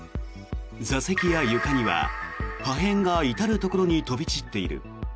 座席や床には、破片が至るところに飛び散っている。